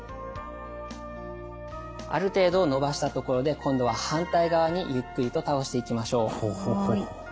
ある程度伸ばしたところで今度は反対側にゆっくりと倒していきましょう。